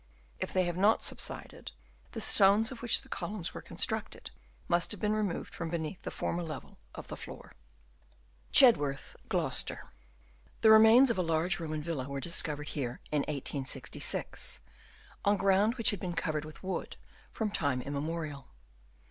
If they have not subsided, the stones of which the columns were constructed must have been removed from beneath the former level of the floor. Chedworth, Gloucestershire. — The remains of a large Roman villa were discovered here in 1866, on ground which had been covered with wood from time immemorial.